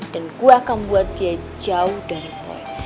dan gue akan buat dia jauh dari boy